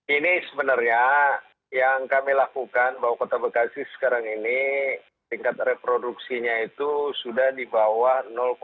ini sebenarnya yang kami lakukan bahwa kota bekasi sekarang ini tingkat reproduksinya itu sudah di bawah